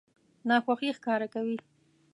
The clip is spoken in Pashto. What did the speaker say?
ناخوښي ښکاره کوي.